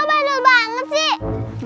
nyalamin aja katakan investing